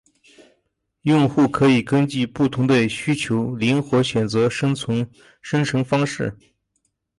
用户可以根据不同的需求灵活选择生成方式